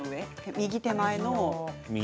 右手前の。